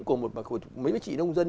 của mấy chị nông dân